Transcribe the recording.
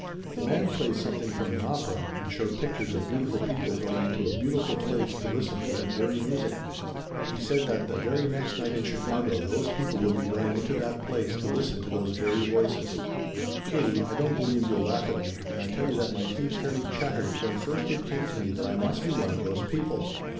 "The man played something from an opera and showed pictures of beautiful people going into a beautiful place to listen to that very music. He said that the very next night in Chicago those people would be going into that place to listen to those very voices. "Katie, I don't believe you'll laugh at me when I tell you that my teeth fairly chattered when first it came to me that I must be one of those people!